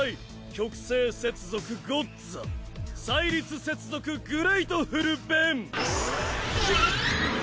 極世接続ゴッズァ砕慄接続グレイトフル・ベン。